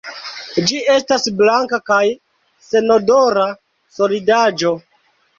Ĝi estas blanka kaj senodora solidaĵo.